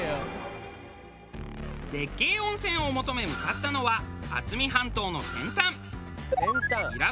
絶景温泉を求め向かったのは渥美半島の先端。